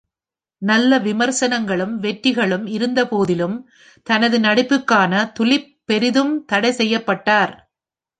நல்ல விமர்சனங்களும் வெற்றிகளும் இருந்தபோதிலும், தனது நடிப்புக்காக துலிப் பெரிதும் தடைசெய்யப்பட்டார்.